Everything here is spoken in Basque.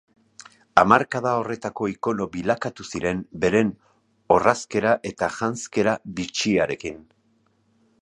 Hamarkada horretako ikono bilakatu ziren, beren orrazkera eta janzkera bitxiarekin.